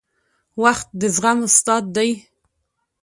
• وخت د زغم استاد دی.